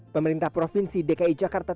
pemerintah provinsi dki jakarta